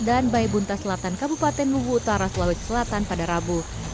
dan bayi buntaselatan kabupaten mugu utara selawik selatan pada rabu